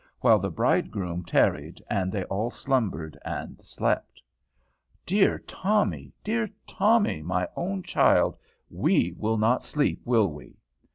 While the bridegroom tarried, they all slumbered and slept.' Dear Tommy, dear Tommy, my own child, we will not sleep, will we?